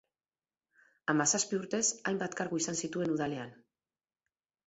Hamazazpi urtez hainbat kargu izan zituen Udalean.